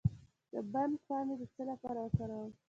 د بنګ پاڼې د څه لپاره وکاروم؟